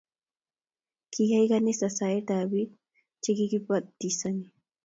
Kiyay kanisa saet ab biik chikikibatisani